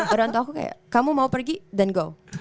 orang tua aku kayak kamu mau pergi then go